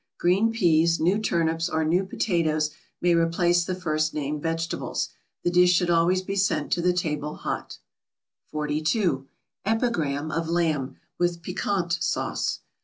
Green peas, new turnips, or new potatoes, may replace the first named vegetables. The dish should always be sent to the table hot. 42. =Epigramme of Lamb, with Piquante Sauce.